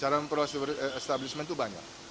cara memproses establishment itu banyak